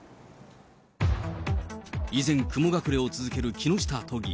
依然、雲隠れを続ける木下都議。